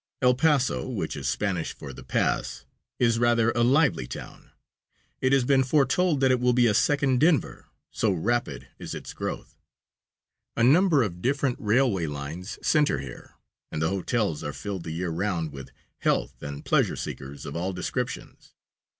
El Paso, which is Spanish for "The Pass," is rather a lively town. It has been foretold that it will be a second Denver, so rapid is its growth. A number of different railway lines center here, and the hotels are filled the year round with health and pleasure seekers of all descriptions.